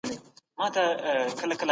د دوی قضاوتونه ډېر ځله جامد وي.